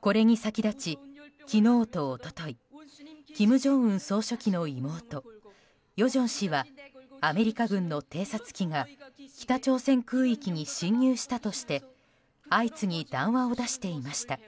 これに先立ち、昨日と一昨日金正恩総書記の妹・与正氏はアメリカ軍の偵察機が北朝鮮空域に侵入したとして相次ぎ談話を出していました。